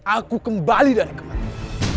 aku kembali dari kematian